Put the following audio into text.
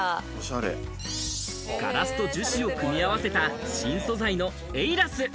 ガラスと樹脂を組み合わせた新素材のエイラス。